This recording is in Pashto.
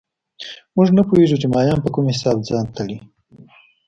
موږ نه پوهېږو چې مایان په کوم حساب ځان تړي